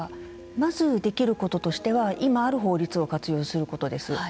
まず、できることとしては今ある法律を活用することです。